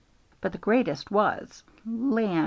But the greatest was land!